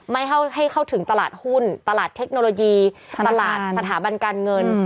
ไม่ให้เข้าถึงตลาดหุ้นตลาดเทคโนโลยีตลาดสถาบันการเงิน